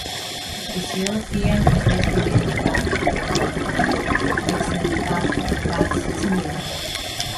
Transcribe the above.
His European Investment Bank in Luxembourg was similar.